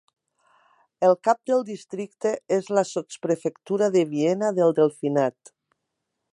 El cap del districte és la sotsprefectura de Viena del Delfinat.